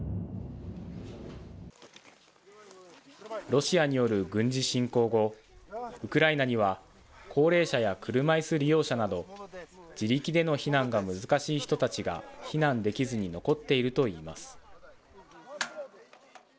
ロシアによる軍事侵攻後、ウクライナには、高齢者や車いす利用者など自力での避難が難しい人たちが避難できずに残っているといいます。